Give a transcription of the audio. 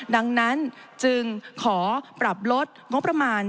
ดังนั้นจึงขอปรับลดงบประมาณ